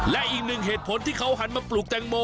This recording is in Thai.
และอีกหนึ่งเหตุผลที่เขาหันมาปลูกแตงโม